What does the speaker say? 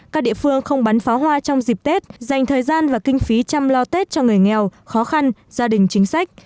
các địa phương không bắn pháo hoa trong dịp tết dành thời gian và kinh phí chăm lo tết cho người nghèo khó khăn gia đình chính sách